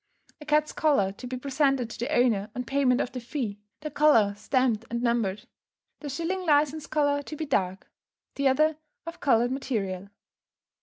A cat's collar to be presented to the owner on payment of the fee; the collar stamped and numbered. The shilling licence collar to be dark; the other of coloured material.